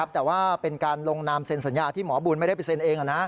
แต่ว่าเป็นการลงนามเซ็นสัญญาที่หมอบุญไม่ได้ไปเซ็นเอง